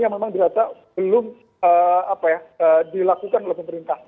yang memang dirasa belum dilakukan oleh pemerintah